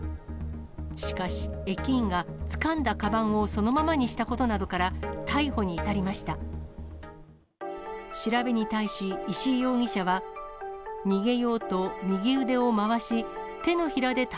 しかし、駅員がつかんだかばんをそのままにしたことなどから、逮捕に至りました。